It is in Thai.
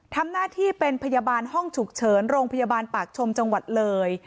ทำหน้าที่เป็นพยาบาลห้องฉุกเฉินโรงพยาบาลปากชมจังหวัดเลย